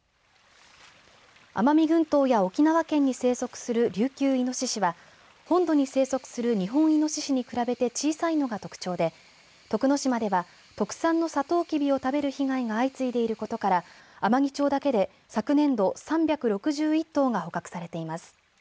奄美群島や沖縄県に生息するリュウキュウイノシシは本土に生息するニホンイノシシに比べて小さいのが特徴で、徳之島では特産のサトウキビを食べる被害が相次いでいることから天城町だけで昨年度３６１頭が捕獲されています。